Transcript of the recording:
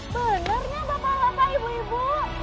sebenarnya bapak bapak ibu ibu